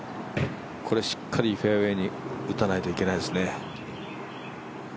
しっかりフェアウエーに打たないといけないですね。